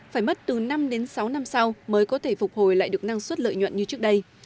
phải mất từ năm đến sáu năm sau mới có thể phục hồi lại được năng suất lợi nhuận như trước đây